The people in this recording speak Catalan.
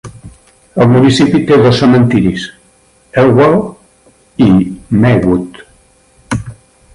El municipi té dos cementiris: Elwell i Maywood.